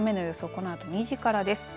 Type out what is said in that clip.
このあと２時からです。